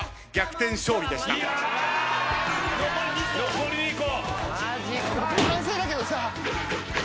残り２個！